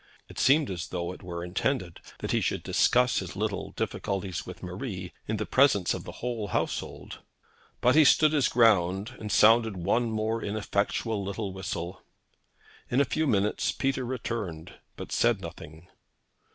It seemed as though it were intended that he should discuss his little difficulties with Marie in the presence of the whole household. But he stood his ground, and sounded one more ineffectual little whistle. In a few minutes Peter returned, but said nothing.